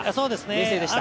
冷静でした。